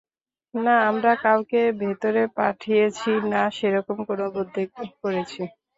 না আমরা কাউকে ভেতরে পাঠিয়েছি না সেরকম কোনো বুদ্ধি করেছি।